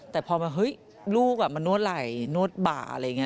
แต่พอแบบเฮ้ยลูกมันนวดไหล่นวดบ่าอะไรอย่างนี้